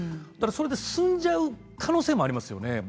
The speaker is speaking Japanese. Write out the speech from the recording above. それで済んでしまう可能性がありますよね。